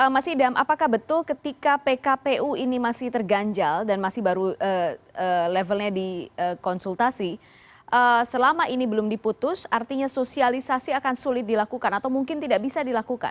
mas idam apakah betul ketika pkpu ini masih terganjal dan masih baru levelnya dikonsultasi selama ini belum diputus artinya sosialisasi akan sulit dilakukan atau mungkin tidak bisa dilakukan